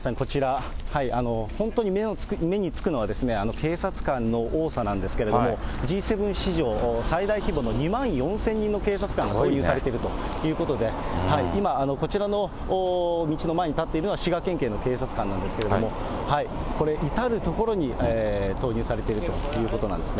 本当に目につくのは、警察官の多さなんですけれども、Ｇ７史上最大規模の２万４０００人の警察官が導入されているということで、今、こちらの道の前に立っているのは滋賀県警の警察官なんですけれども、これ、至る所に投入されているということですね。